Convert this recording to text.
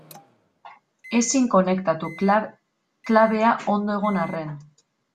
Ezin konektatu, klabea ondo egon arren.